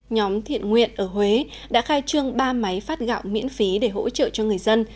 nhóm thiện nguyện ở huế đã khai trương ba máy phát gạo miễn phí để hỗ trợ cho người dân